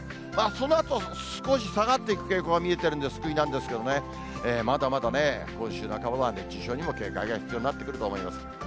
そのあと、少し下がっていく傾向が見えてるんで救いなんですけれどもね、まだまだね、今週半ばは熱中症にも警戒が必要になってくると思います。